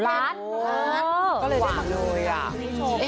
หวานเลยอ่ะ